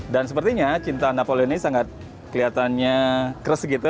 dan sepertinya cinta napoleon ini sangat kelihatannya kres gitu